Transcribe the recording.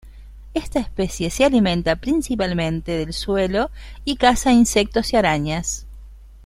Esta especie se alimenta principalmente del suelo y caza insectos y arañas.